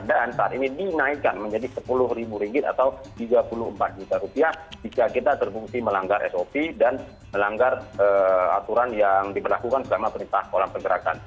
dan saat ini dinaikkan menjadi sepuluh ribu atau tiga puluh empat juta rupiah jika kita terfungsi melanggar sop dan melanggar aturan yang diberlakukan oleh perintah keolah pergerakan